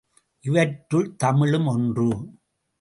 இவற்றுள் தமிழும் ஒன்று.